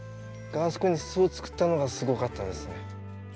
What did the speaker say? があそこに巣を作ったのがすごかったですね。